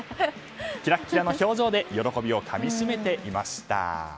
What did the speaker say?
キラキラの表情で喜びをかみ締めていました。